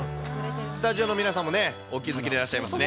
スタジオの皆さんもね、お気付きでいらっしゃいますね。